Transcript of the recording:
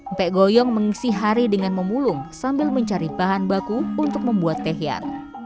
mpek goyong mengisi hari dengan memulung sambil mencari bahan baku untuk membuat tehian